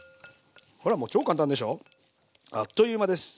ほらもう超簡単でしょ？あっという間です。